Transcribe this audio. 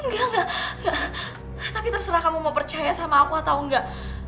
enggak enggak tapi terserah kamu mau percaya sama aku atau enggak